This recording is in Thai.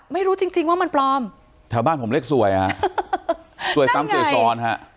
ไม่รู้จริงจริงว่ามันปลอมแถวบ้านผมเรียกสวยฮะสวยซ้ำสวยซ้อนฮะ